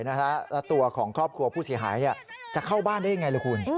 แล้วตัวของครอบครัวผู้เสียหายจะเข้าบ้านได้ยังไงล่ะคุณ